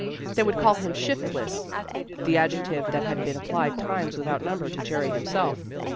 They would call him "shiftless," the adjective that had been applied times without number to Jerry himself.